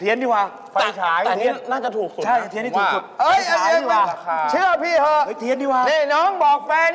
เออนี่เทียนเนี่ยถูกสุด